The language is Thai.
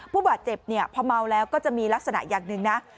ผู้บาดเจ็บเนี่ยพอเมาแล้วก็จะมีลักษณะอย่างหนึ่งนะ